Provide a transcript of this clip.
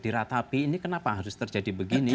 diratapi ini kenapa harus terjadi begini